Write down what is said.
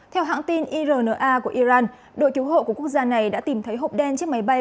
theo hãng tin irna của iran đội cứu hộ của quốc gia này đã tìm thấy hộp đen chiếc máy bay